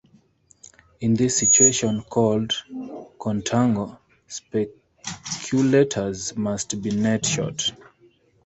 In this situation, called contango, speculators must be net short.